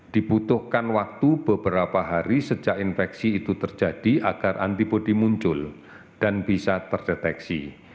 dibutuhkan waktu beberapa hari sejak infeksi itu terjadi agar antibody muncul dan bisa terdeteksi